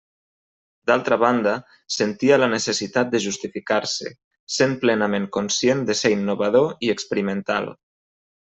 D'altra banda, sentia la necessitat de justificar-se, sent plenament conscient de ser innovador i experimental.